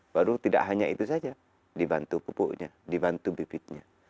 baru tidak hanya itu saja dibantu pupuknya dibantu bibitnya